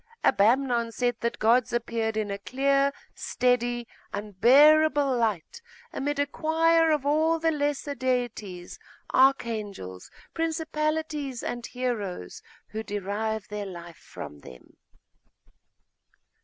Abamnon said that gods appeared in a clear, steady, unbearable light, amid a choir of all the lesser deities, archangels, principalities, and heroes, who derive their life from them.